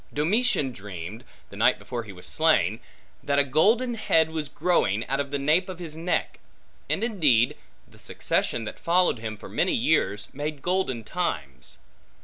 Domitian dreamed, the night before he was slain, that a golden head was growing, out of the nape of his neck: and indeed, the succession that followed him for many years, made golden times.